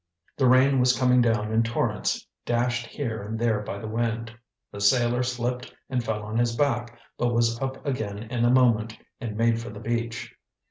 The rain was coming down in torrents dashed here and there by the wind. The sailor slipped and fell on his back, but was up again in a moment and made for the beach.